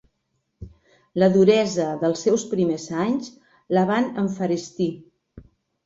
La duresa dels seus primers anys la van enferestir.